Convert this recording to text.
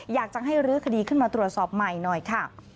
อยากจะให้รื้อคดีขึ้นมาตรวจสอบใหม่หน่อยค่ะ